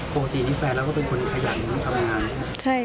ปกตินี่แฟนเราก็เป็นคนขยันทำงานใช่ไหม